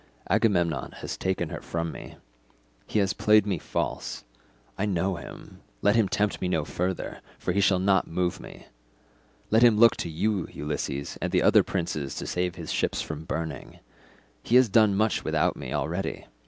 Agamemnon has taken her from me; he has played me false; I know him; let him tempt me no further, for he shall not move me. Let him look to you, Ulysses, and to the other princes to save his ships from burning. He has done much without me already.